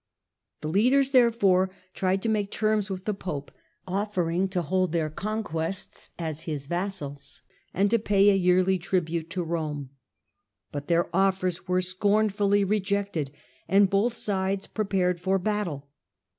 The leaders, therefore, Defeatand tried to make terms with the pope, offering to L^l^the hold their conquests as his vassals, and to pay ^^nnana, ^ yeariy tribute to Rome. But their offers were scornfully rejected, and both sides prepared for battle.